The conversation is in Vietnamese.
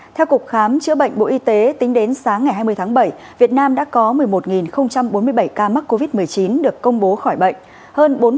theo cục khám chữa bệnh bộ y tế tính đến sáng ngày hai mươi tháng bảy việt nam đã có một mươi một bốn mươi bảy ca mắc covid một mươi chín được công bố khỏi bệnh